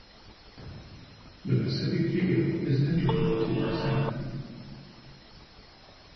The Pacific feel is integral to our sound.